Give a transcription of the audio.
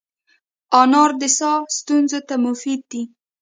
انار د ساه ستونزو ته مفید دی.